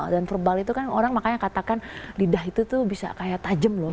dan verbal itu kan orang makanya katakan lidah itu tuh bisa kayak tajam loh